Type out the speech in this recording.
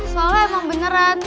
soalnya emang beneran